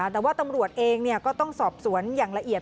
แต่ว่าตำรวจเองก็ต้องสอบสวนอย่างละเอียด